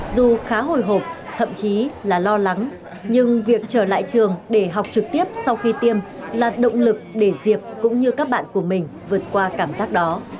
dù khá hồi hộp thậm chí là lo lắng nhưng việc trở lại trường để học trực tiếp sau khi tiêm là động lực để diệp cũng như các bạn của mình vượt qua cảm giác đó